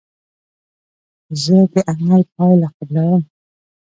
زه د عمل پایله قبلوم.